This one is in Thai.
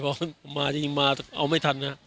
เพราะมันน่าจะยิงมาโดยไม่ทัน